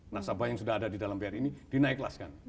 nah sahabat yang sudah ada di dalam bri ini dinaik kelaskan